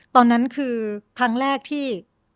ตอนนั้นคือครั้งแรกที่